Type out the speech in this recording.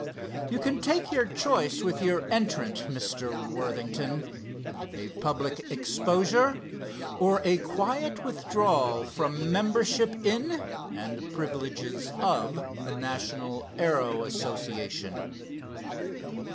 You can take your choice with your entrant, Mr. Worthington: a public exposure, or a quiet withdrawal from membership in and privileges of the National Aero Association."